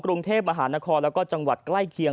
กรุงเทพมหานครแล้วก็จังหวัดใกล้เคียง